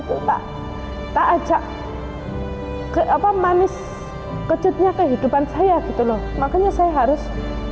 itu tak tak ajak ke apa manis kejutnya kehidupan saya gitu loh makanya saya harus